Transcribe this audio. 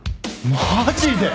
マジで！？